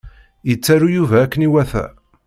Yettaru Yuba akken iwata.